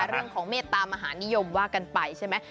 เรื่องของเมตตามหานิยมว่ากันไปใช่ไหม